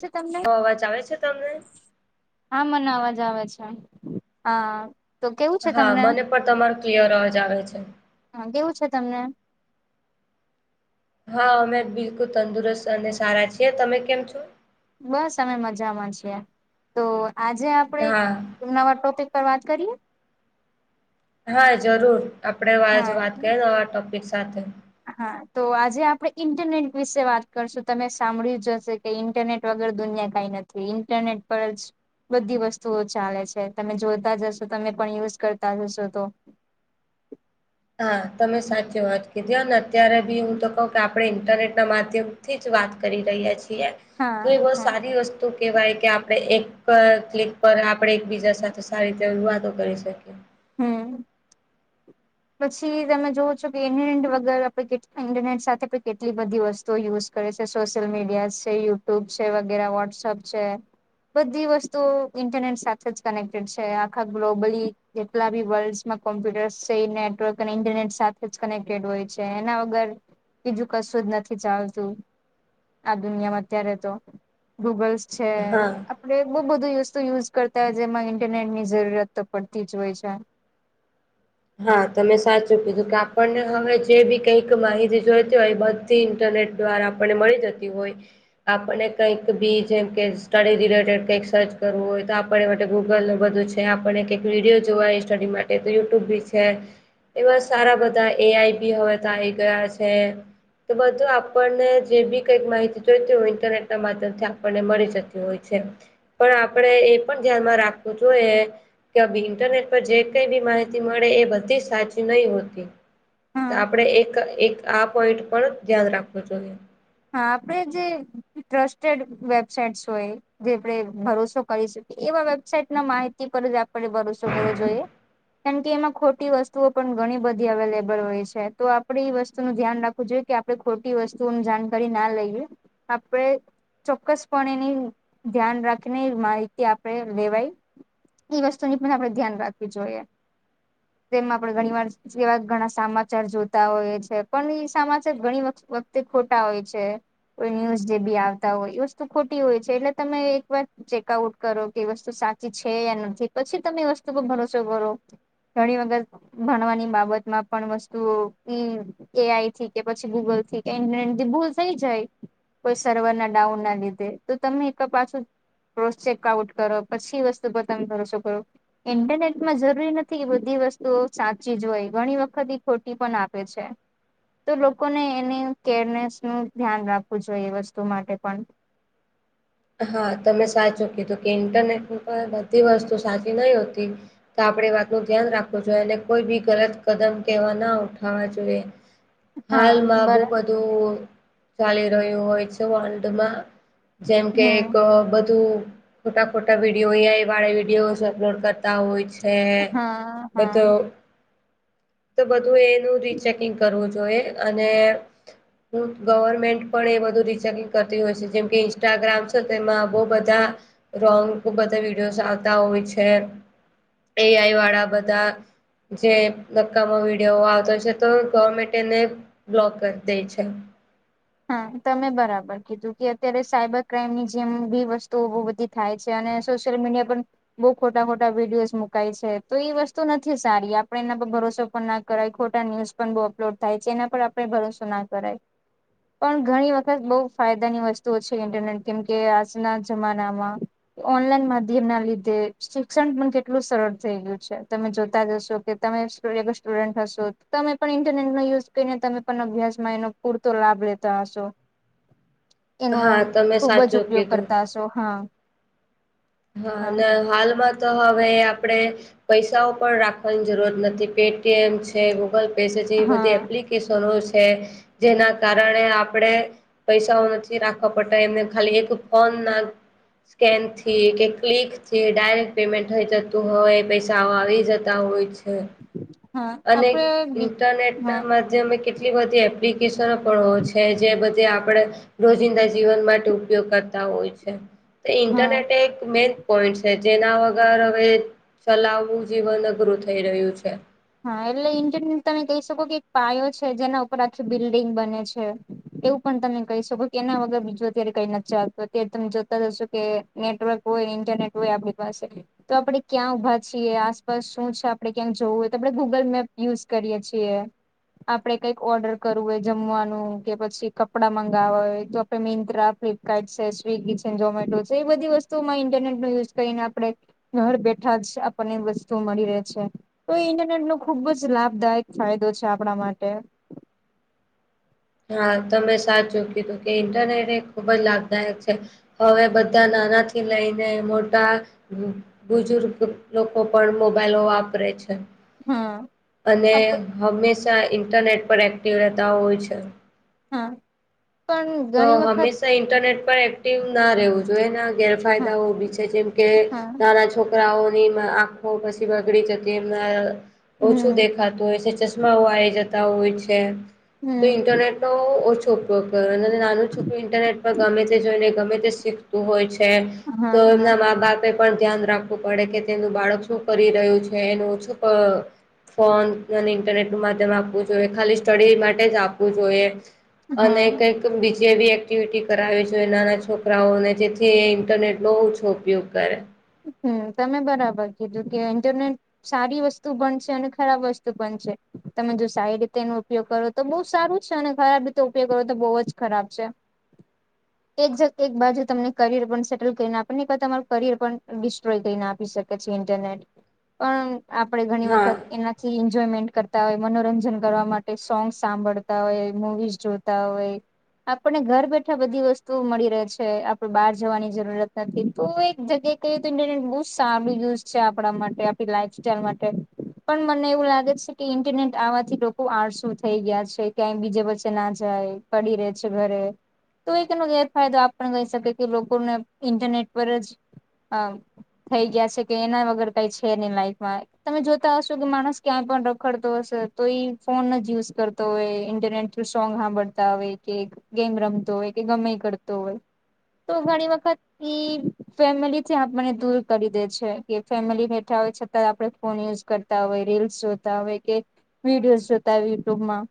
છે તમને? અવાજ આવે છે તમને? હા મને અવાજ આવે છે હા તો કેવું છે હા તમને મને પણ તમારો ક્લિયર અવાજ આવે છે. હા કેવું છે તમને હા અમે બિલકુલ તંદુરસ્ત અને સારા છીએ તમે કેમ છો બસ અમે મજામાં છીએ તો આજે આપણેે હા નવા ટોપિક પર વાત કરીએ હા જરૂર આપડે આજ હા. વાત કરીએ નવા ટોપિક સાથે. હા તો આજે આપણે ઇન્ટરનેટ વિશે વાત કરશું તમે સાંભળ્યું જશે કે ઇન્ટરનેટ વગર દુનિયા કાઈ નથી ઇન્ટરનેટ પર જ બધી વસ્તુઓ ચાલે છે તમે જોતા જશો તમે પણ યુઝ કરતા જશો તો. હા તમે સાચી વાત કીધી ને અત્યારે બી હું તો કહું કે આપણે ઇન્ટરનેટ ના માધ્યમ થી જ વાત કરી રહ્યા છીએ તો એ હા બહ હા સારી વસ્તુ કહેવાય કે આપણે એક ક્લિક પર આપણે એકબીજા સાથે સારી રીતે વાતો કરી શકીએ. હમ્મ. પછી તમે જોવો છો કે ઇન્ટરનેટ વગર ઇન્ટરનેટ સાથે પણ કેટલી બધી વસ્તુ ઓ યુઝ કરે છે સોશિયલ મીડિયા છે યુટ્યુબ છે વગેરે વોટ્સઅપ છે બધી વસ્તુઓ ઇન્ટરનેટ સાથેજ કનેક્ટેડ છે આખા ગ્લોબલી જેટલા બી વર્લ્ડમાં કોમ્પ્યુટર્સ નેટવર્ક અને ઇન્ટરનેટ સાથે જ કનેક્ટેડ હોય છે એના વગર બીજું કશું જ નથી ચાલતું આ દુનિયામાં અત્યારે તો ગૂગલ્સ છે હા આપડે બહુ બધું વસ્તુ યુઝ કરતા હોય જેમાં ઇન્ટરનેટ ની જરૂરત તો પડતી ી જ હોય છે. હા તમે સાચું કીધું કે આપણને હવે જે બી કઈક માહિતી જોઈતી હોય બધ. ઇન્ટરનેટ દ્વારા આપણને મળી જતી હોય. આપને કઈક બી જેમ કે સ્ટડી રિલેટેડ કઈક સર્ચ કરવું હોય તો. આપ માટે ગૂગલ નું બધું છે આપણે કઈક વિડીયો જોવાય સ્ટડી માટે તો યુટ્યુબ બી. એવા સારા બધા એ આઈ બી હવે આવી ગયા છે. તો બધું આપણને જે બી કઈક માહિતી જોઈતીું ઇન્ટરનેટ ના માધ્યમથી આપણને મળી જતી. જે હોય છે. પણ આપે એ પણ ધ્યાનમાં રાખવું જોઈએ કે ઇન્ટરનેટ પર જે કઈ બી માહિતી. મળે એ બધી સાચી નહી હોતી. તો હા આપણે એક એક આ પોઈન્ટ પર ધ્યાન રાખવું જોઈએ. હા આપડ જે ટ્રસ્ટેડ વેબસાઇટસ હોય. જે આપણે ભરોસો કરી શકીએ એવા વેબસાાઈટ ના માહિતી પર જ આપણે ભરોસો કરવો જોઈએ. કારણ કે એમાં ખોટી વસ્તુઓ પણ ઘણી બધી અવેલેબલ હોય છે તો આપડે એ વસ્તુ નું ધ્યાન રાખ. જોઈએ કે આપણે ખોટી વસ્તુની જાણકારી ના લઈએ આપડણે. ચોક્કસ પણ એની ધ્યાન રાખીને માહિતી આપણે લેવાય. એ વસ્તુની પણ આપણે ધ્યાન રાખવી જોઈએ તેમમાં આપણે ઘણી વાર. જેવા ઘણા સમાચાર જોતા હોય છે પણ ઈ સમાચાર ઘણી વખતે ખો. હો કો ન્યૂઝ જે બી આવતા હોય એ વસ્તુ ખોટી હોય છે એટલે તમે એક વાર. ચેકઆઉટ કરો કે વસ્તુ સાચી છે યા નથી પછી તમે વસ્તુ પણ ભરોસો ભો. ઘણી વગર. ભણવાની બાબતમાં પણ વસ્તુઓ ઈ એ આઈ થી કે પછી ગૂગલ થી કે ઇન્ટરનેટ. ભૂલ થઈ જાય કોઈ સર્વર ના ડાઉન ના લીધે તો તમે એક પાછું. રો ચેક આઉટ કરો પછી વસ્તુ પતંગ કરો છોકરો ઇન્ટરનેટમાં જરૂરી નથી બધી વસ્તુઓ સાચી જ હોય ઘણી વખત ઈ ખોટી પણ આપે છે. તો લોકોને એની કેરનેસ નું ધ્યાન રાખવું જોઈએ એ વસ્તુ માટે પણ હા તમે સાચું કીધું કે ઇન્ટરનેટ ઉપર બધી વસ્તુ સાચી નહી હોતી. તો આપણેે વાત નું ધ્યાન રાખવું જોઈએ અને કોઈ બી ગલત કદમ કહેવા ના ઉઠાવવા જોઈએ [inaudible] હાલમાં બહુ બરા બધું ચાલી રહ્યું હોય છે વર્લ્ડમાં જેમ કે હમ એક બધું ખોટા ખોટા વિડીયો એઆઈ વાળા વિડીયો અપલોડ કરતા તા હોય છે હા હા બધું તો બધું એનું રીચેકિંગ કરવું જોઈએ અને [inaudible] ગવર્મેન્ટ પણ એ બધું રિચેકિંગ કરતી હોય છે જેમ કે ઇન્સ્ટાગ્રામ છે તેમાં બહુ બધા રોંગ બધા વિડીયોઝ આવતા હોય છે. એઆઈ વાળા બધા જે નક્કામાં વિડીયો આવતો છે તો ગવર્મેન્ટ એને બ્લોક કરી દે છે. હા તમે બરાબર કીધું કે અત્યારે સાયબર ક્રાઈમ ની જેમ બી વસ્તુઓ બહુ બધી થાય છે અને સોશિયલ મીડિયા પણ બઉ ખોટા ખોટા વિડીયોસ મુકાય છે તો એ વસ્તુ નથી સારી આપણે એના પર ભરોસો પણ નથી કર ખોટા ન્યૂઝ પણ બહુ અપલોડ થાય છે એના પર આપડે ભરોસો ના કરાય પણ ઘણી વખત બહુ ફાયદાની વસ્તુઓ છે ઇન્ટરનેટ કેમ કે આજના જમાનામાં ઓનલાઈન માધ્યમ ના લીધે શિક્ષણ પણ કેટલું સરળ થઈ ગયું છે તમે જોતા જશો કે તમે સ્ટુડન્ટ હશો તમે પણ ઇન્ટરનેટ નો યુઝ કરીને તમે પણ અભ્યાસમાં એનો તો લાભ લેતા હશો એનો હા તમે ખુબ જ સાચું ઉપયોગ કીધું કરતા હશો હા હા ને હાલ પણ તો હવે આપણે પૈસાઓ પણ રાખવાની જરૂરત નથી પેટીએમ છે ગૂગલ મેસેજ એવી બધી હા એપ્લિકેશનો છે જેના કારણે આપણે પૈસાઓ નથી રાખવા પડતા એમને ખાલી એક ફોન ના સ્કેન થી કે ક્લિક થી ડાયરેક્ટ પેમેન્ટ થઈ જતું હવે પૈસા આવી જતા હોય છે હા અને આપડે ઇન્ટરનેટ ના હા બધા જે અમે કેટલી બધી એપ્લિકેશનો પણ હો છે જે બધી આપણે રોજિંદા જીવન માટે ઉપયોગ કરતા હોય છે તો હા ઇન્ટરનેટ એક મેન પોઈન્ટ છે જેના વગર હવે ચલાવવું જીવન અઘરું થઈ રહ્યું છે હા એટલે ઇજન તમે કહી શકો કે એક પાયો છે જેના ઉપર આખી બિલ્ડિંગ બને છે એવું પણ તમે કહી શકો કે એના વગર બીજું અત્યારે કઈ નથી ચાલતું અત્યારે તમે જોતા હશો કે નેટવર્ક હોય ઇન્ટરનેટ હોય આપણી પાસે તો આપડે ક્યાં ઊભા છીએ આસપાસ શું છે આપડે ક્યાં જવું આપણે ગૂગલ મેપ યુઝ કરીએ છીએ આપડે કઈક ઓર્ડર કરવું હોય જમવાનું કે પછી કપડાં મંગાવવા હોય તો મિન્ત્રા ફ્લિપકાર્ટ છે સ્વિગી છે ઝમેટો છે એ બધી વસ્તુઓમાં ઇન્ટરનેટ નો યુઝ કરીને આપડે ઘર બેઠા જ આપણને વસ્તુ મળી રહે છે તો ઇન્ટરનેટ નો ખુબ જ લાભદાયક ફાયદો છે આપણા માટે હા તમે સાચુ કીધું કે ઇન્ટરનેટ એ ખુબ જ લાભદાયક છે હવે બધા નાના થી લઈને મોટા બુજુર્ગ લોકો પણ મોબાઈલો વાપરે છે હા અને આપ હંમેશા ઇન્ટરનેટ પર એક્ટિવ રહેતા હોય છે હા પણ તો ઘણી વખત હંમેશા ઇન્ટરનેટ પર એક્ટિવ ના રહેવું જોઈએ એના હા ગેરફાયદાઓ બી છે જેમ કે હા નાના છોકરાઓની આંખો પછી બગડી જતી એમાં ઓછું હમ દેખાતું હોય છે ચશ્માઓ આવી જતા હોય છે તો હમ ઇન્ટરનેટ ઓછોપ કર નાનું છોકરીું ઇન્ટરનેટ પર ગમે તે જોઈને ગમે તે શીખતું હોય છે તો હા હા એમના મા બાપે, પણ ધ્યાન રાખવું પડે કે તેનું બાળક શું કરી રહ્યું છે એનું ઓછું ફોન અને ઇન્ટરનેટ નું માધ્યમ આપવું જોઈએ ખાલી સ્ટડી માટે જ આપવું જોઈએ અને હા કઈ બીજી એી એક્ટિવિટી કરાવી જોઈએ નાના છોકરાઓને જેથી ઇન્ટરનેટ નો ઓછો ઉપયોગ કરે હમ તમે બરાબર કીધું કે ઇન્ટરનેટ સારી વસ્તુ પણ છે અને ખરાબ વસ્તુ પણ છે તમે જો સારી રીતે એનો ઉપયોગ કરો તો બહુ સારું છે અને ખરાબ રીતે ઉપયોગ કરો તો બહુ જ ખરાબ છે. એક જ એક બાજુ તમને કરિયર પણ સેટલ કરીને આપણને ક તમારું કરિયર પણ ડિસ્ટ્રોય કરીને આપી શકે છે ઇન્ટરનેટ પણ આપણે ઘણી હા. વખત એના થી એન્જોયમેન્ટ કરતા હોય મનોરંજન કરવા માટે સોંગ સાંભળતા હોય મુવીઝ જોતા હોય. આપણને ઘર બેઠા બધી વસ્તુઓ મળી રહે છે આપડ બહાર જવાની જરૂરત નથી તો એક જગ્યાએ તે તો ઇન્ટરનેટ બહ સારું યુઝ છે આપણા માટે આપણી લાાઈફ સાઈલ માટે પણ મને એવું લાગે છે કે ઇન્ટરનેટ આવવાથી લોકો આળસું થઈ ગયા છે ક્યાંય બીજે વચ્ચે ના જાય પડી રહે છે ઘરે તો એ એકનો ગેરફાયદો આપ પણ કહી શકી કે લોકોને ઇન્ટરનેટ પર જ હમ થઈ ગયા છે કે એના વગર કઈ છે નઈ લાઈફમાં તમે જોતા હશો કે માણસ ક્યાંય પણ રખડતો હશે તો એ ફોન જ યુઝ કરતો હોય ઇન્ટરનેટ થુ સોંગ સાંભળતા હોય કે ગેમ રમતો હોય કે ગમે કરતો હોય તો ઘણી વખત ફેમિલી, આપને દૂર કરી દે છે કે ફેમિલી બેઠા હોય છતાં આપડે ફોન યુઝ કર હોય રીલસ જોતા હોય કે વિડીયો જોતા હોય યુટ્યુબમાં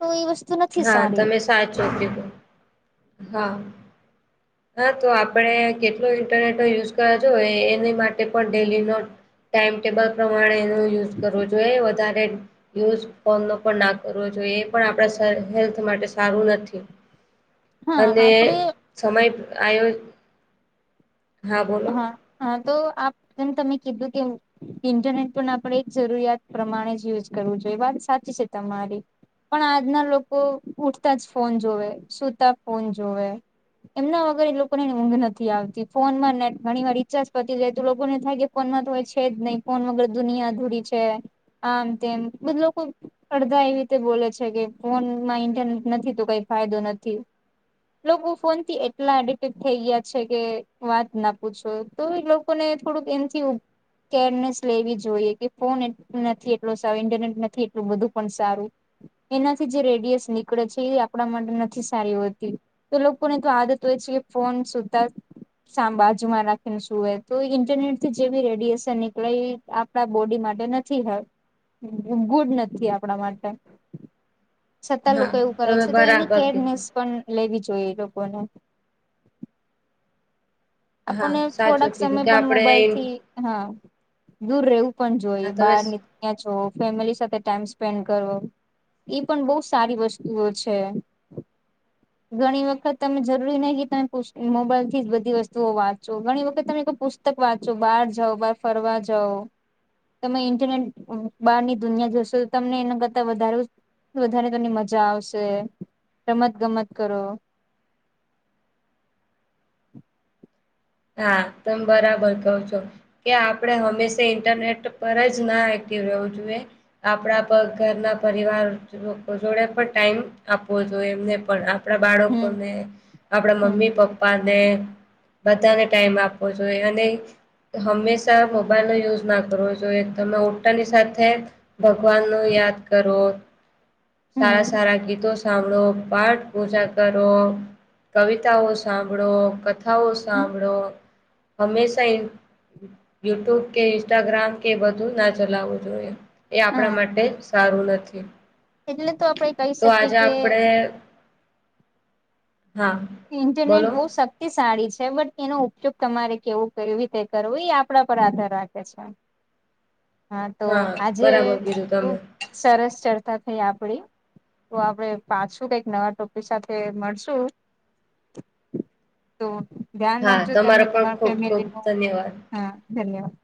તો વસ્તુ નથી હા સારી તમે સાચો આપ આપી દ હા [inaudible] હા તો આપડ કેટલો ઇન્ટરનેટ યુઝ કરજો એની માટે પણ ડેલી નોટ ટાઈમ ટેબલ પ્રમાણે ો જોઈએ વધય ફન પણ ના કરવો જોઈએ એ પણ આપ [unintelligible] હેલ્થ માટે સારું નથી હા અને આપણે સમય આયો હા બો હા હા તો આમ તમે કીધું કે ઇન્ટરનેટ પણ આપણે એક જરૂરિયાત પ્રમાણે જ યુઝ કરવું જોઈએ વાત સાચી છે તમારી પણ આજના લોકો ઉઠતા જ ફોન જોવે સુતા ફોન જોવે એમના વગર એ લોકોને ઊંઘ નથી આવતી ફોન માં નેટ ઘણી વાર ઈચાર્જ પતી જાય તો લોકોને થાય કે ફોન માં તો છે જ નહીં ફોન વગર દુનિયા અધૂરી છે. આમ તેમમ મતલબ અડધા એવી રીતે બોલે છે કે ફોન માં ઇન્ટરનેટ નથી તો કઈ ફાયદો નથી. લોકો ફોન થી એટલા એડિક્ટ થઈ ગયા છે કે વાત ના પૂછો તો એ લોકો ને થોડુંક એમથી હું કેરનેસ લેવી જોઈએ કે ફોન નથી એટલો સારો ઇન્ટરનેટ નથી એટલું બધું પણ સારું એનાથી જે રેડિયસ નીકળે છે એ આપણા માટે નથી સારી હોતી. તો લોકો ને તો આદત હોય છે કે ફોન સુધા સાંભાળ માં રાખીને શુંય તો ઇન્ટરનેટ થી જેવી રેડિયશન નીકળે આપણા બોડી માટે નથી હારુ ગુડ નથી આપણા માટે છતાં હા લોકો એવું કરે તમે છે તો એની બરાબર કેરનેસ કીધું. પણ લેવી જોઈએ લોકોને હા આપણને સાચું થોડાક સમય કીધું કે પણ મોબાઈલ આપણે થી હા દૂર રહેવું પણ હા જોઈએ તમે બહારની દુનિયા જાવ ફેમિલી સાથે ટાઈમ સ્પેન્ડ કરવો. એ પણ બહુ સારી વસ્તુઓ છે. ઘણી વખત તમે જરૂરી નહી કે તમે મોબાઈલ થી જ બધી વસ્તુ તો વાંચો ઘણી વખત તમે પુસ્તક વાંચો બાર જાવ બાર ફરવા જાવ તમે ઇન્ટરનેટ બહારની દુનિયા જશો તમને એના કરતા વધારે વધારે તોની મજા આવશે રમત ગમત કરો હા તમે બરાબર કહ છો. કે આપણે હંમેશા ઇન્ટરનેટ પર જ ના એક્ટિવ રહેવું જોઈએ આપણા પ ઘરના પરિવાર જોડે પણ ટાઈમ આપો જોએ એમને પણ આપ આપ હમ બાળકોને આપડા હમ મમ્મી પપ્પા ને બધાને ટાઈમ આપવો જોઈએ અને હંમેશા મોબાઈલનો યુઝ ના કરવો જોએ તમે ઉલટાની સાથે ભગવાન નું યાદ કરવો સારા હમ સારા ગીતો સાંભળો પાઠ પૂજા કરો કવિતાઓ સાંભળો કથાઓ હમ હડ હંમેશા યુટ્યુબ કે ઇન્સ્ટાગ્રામ કે બધું ના ચલાવવું જોઈએ એ આપણા હા માટે સારું નથી એટલે તો આપડે કહી તો શકીએ આજે કે આપડે હા ઇન્ટરનેટ બોલો વ સક સાડી છે બટ એનો ઉપયોગ તમારે કેવું કરવી તે કરવું એ આપણા પર આધાર રાખે છે. હા તો આજે બરાબર કીધું તમે ખુબ સરસ ચર્ચા થઈ આપડી તો આપડે પાછું કઈક નવા ટોપી સાથે મળશું તો ધ્યાન હા રાખજો તમને તમારો પણ તમાર ખૂબ ખૂબ ફેમિલી ન ધન્યવાદ હા ધન્યવાદ